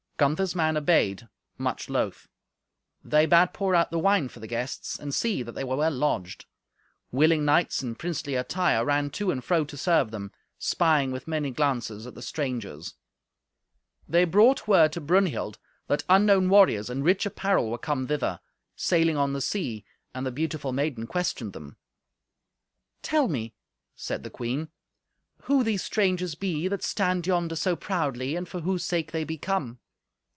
Gunther's men obeyed, much loth. They bade pour out the wine for the guests, and see that they were well lodged. Willing knights in princely attire ran to and fro to serve them, spying with many glances at the strangers. They brought word to Brunhild that unknown warriors in rich apparel were come thither, sailing on the sea, and the beautiful maiden questioned them. "Tell me," said the queen, "who these strangers be that stand yonder so proudly, and for whose sake they be come."